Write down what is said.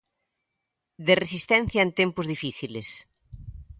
De resistencia en tempos difíciles.